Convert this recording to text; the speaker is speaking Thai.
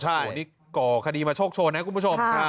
โอ้โหนี่ก่อคดีมาโชคโชนนะคุณผู้ชม